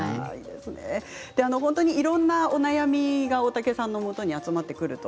本当にいろいろなお悩みが大竹さんのもとに集まってくると